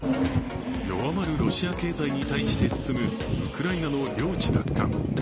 弱まるロシア経済に対して進むウクライナの領地奪還。